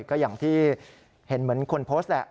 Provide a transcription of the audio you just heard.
ก็อย่างที่เห็นเหมือนคนโพสต์แหละ